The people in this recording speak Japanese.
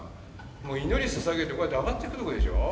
もう祈りささげてこうやって上がっていくとこでしょ。